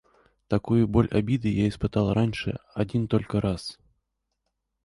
Такую боль обиды я испытал раньше один только раз.